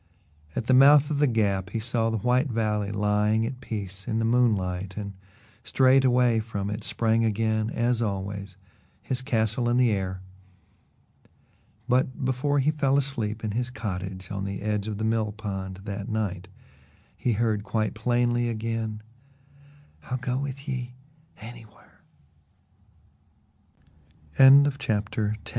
At the mouth of the Gap he saw the white valley lying at peace in the moonlight and straightway from it sprang again, as always, his castle in the air; but before he fell asleep in his cottage on the edge of the millpond that night he heard quite plainly again: "I'll go with ye anywhar." XI Spring was c